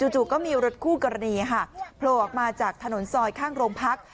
จู่ก็มีรถคู่กรณีค่ะโผล่ออกมาจากถนนซอยข้างโรงพัก